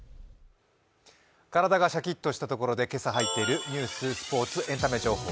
体がシャキッとしたところで今朝入っているニュース、スポークスマン、エンタメ情報。